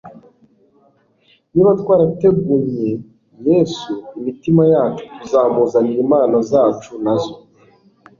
Niba twaregunye Yesu imitima yacu tuzamuzanira impano zacu nazo.